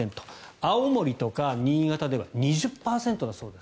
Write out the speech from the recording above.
青森とか新潟では２０％だそうです。